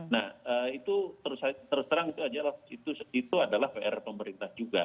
nah itu terus terang itu adalah pr pemerintah juga